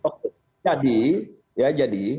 oke jadi ya jadi